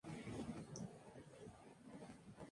Otro párrafo a aclarar.